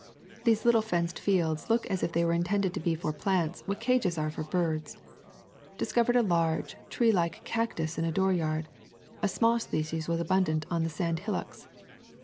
These little fenced fields look as if they were intended to be for plants what cages are for birds. Discovered a large, treelike cactus in a dooryard; a small species was abundant on the sand hillocks.